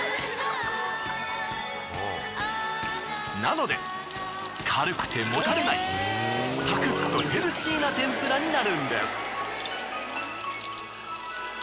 なので軽くてもたれないサクッとヘルシーな天ぷらになるんです。